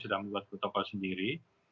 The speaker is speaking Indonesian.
sedang membuat protokol sendiri